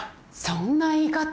そんな言い方。